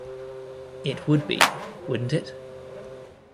It would be, wouldn't it?